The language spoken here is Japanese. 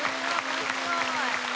面白い。